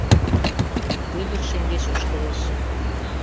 Вӧдыр шеҥгеч ошкылеш.